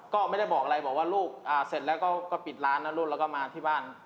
ก็ไม่ได้บอกอะไรบอกว่าลูกเสร็จแล้วก็ปิดร้านนะลูกแล้วก็มาที่บ้าน